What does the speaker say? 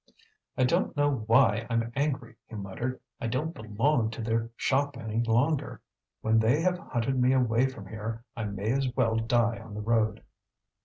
"I don't know why I'm angry," he muttered. "I don't belong to their shop any longer. When they have hunted me away from here, I may as well die on the road."